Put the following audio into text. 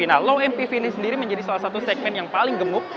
nah low mpv ini sendiri menjadi salah satu segmen yang paling gemuk